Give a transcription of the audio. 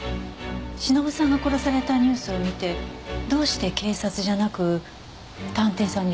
忍さんが殺されたニュースを見てどうして警察じゃなく探偵さんに連絡したの？